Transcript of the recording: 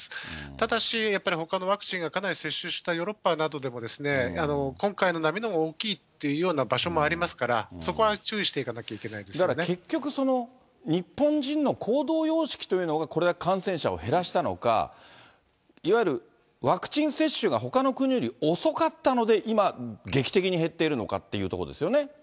ただし、やっぱりほかのワクチンが、かなり接種したヨーロッパなんかでも、今回の波の大きいっていうような場所もありますから、そこは注意していかなきゃいけないでだから結局、日本人の行動様式というのが、これだけ感染者を減らしたのか、いわゆるワクチン接種がほかの国より遅かったので、今、劇的に減っているのかっていうところですよね。